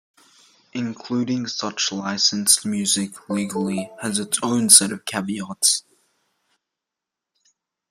Including such licensed music legally has its own set of caveats.